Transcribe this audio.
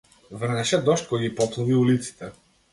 Врнеше дожд кој ги поплави улиците.